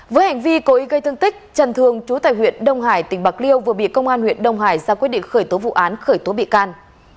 với hành vi cố ý gây thương tích trần thường trú tại huyện đông hải tỉnh bạc liêu vừa bị công an huyện đông hải ra quyết định khởi tố vụ án khởi tố bị can